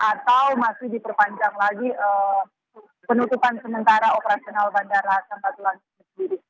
atau masih diperpanjang lagi penutupan sementara operasional bandara samratulang ini sendiri